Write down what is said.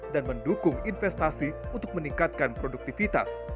dan mendukung investasi untuk meningkatkan produktivitas